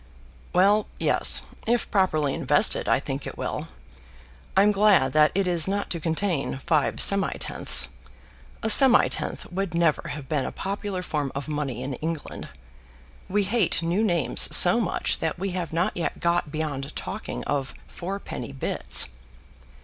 "Well, yes; if properly invested I think it will. I'm glad that it is not to contain five semitenths. A semitenth would never have been a popular form of money in England. We hate new names so much that we have not yet got beyond talking of fourpenny bits."